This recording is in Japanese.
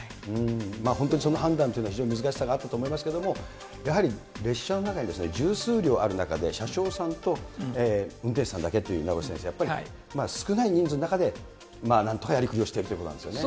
本当にその判断というのは難しさがあったと思いますけれども、やはり列車の中に十数両ある中で、車掌さんと運転士さんだけという、名越先生、やっぱり少ない人数の中でなんとかやりくりをしているということなんですよね。